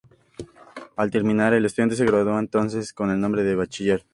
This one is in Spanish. Al terminar, el estudiante se gradúa entonces con el nombre de bachiller.